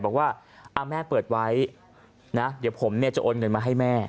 บอกว่าแม่เปิดไว้นะเดี๋ยวผมเนี่ยจะโอนเงินมาให้แม่